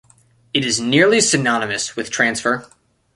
It is nearly synonymous with transfer.